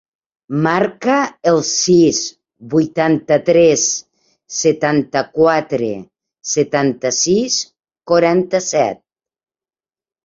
Marca el sis, vuitanta-tres, setanta-quatre, setanta-sis, quaranta-set.